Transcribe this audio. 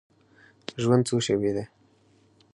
ژوند څو شیبې دی.